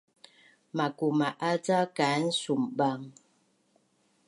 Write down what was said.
Makuma’az ca kaan sumbang?